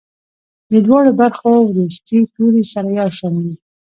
د دواړو برخو وروستي توري سره یو شان وي.